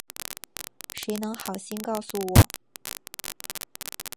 谁能好心告诉我